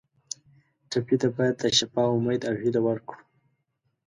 ټپي ته باید د شفا امید او هیله ورکړو.